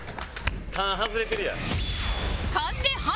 勘外れてるやん。